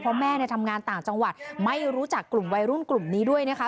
เพราะแม่ทำงานต่างจังหวัดไม่รู้จักกลุ่มวัยรุ่นกลุ่มนี้ด้วยนะคะ